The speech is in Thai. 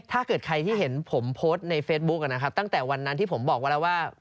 ถ้าเกิดใครที่เห็นผมโพสต์ในเฟซบุ๊กนะครับตั้งแต่วันนั้นที่ผมบอกไว้แล้วว่า